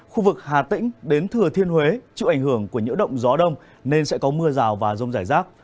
khu vực hà tĩnh đến thừa thiên huế chịu ảnh hưởng của nhiễu động gió đông nên sẽ có mưa rào và rông rải rác